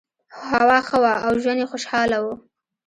هوا ښه وه او ژوند یې خوشحاله و.